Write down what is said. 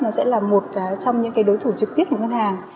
nó sẽ là một trong những đối thủ trực tiếp của ngân hàng